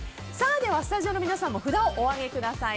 スタジオの皆さんも札をお上げください。